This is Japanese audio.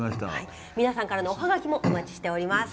皆さんからのおはがきもお待ちしております。